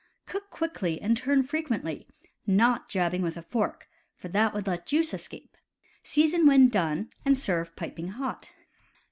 Cook quickly and turn frequently, not jabbing with a fork; for that would let juice escape. Season when done, and serve piping hot.